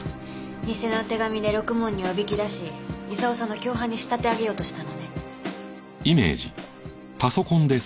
偽の手紙でろくもんにおびき出し功さんの共犯に仕立て上げようとしたのね。